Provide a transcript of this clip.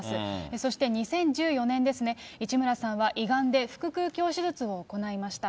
そして２０１４年ですね、市村さんは胃がんで腹腔鏡手術を行いました。